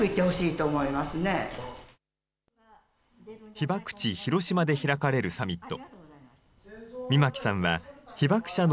被爆地、広島で開かれるサミット。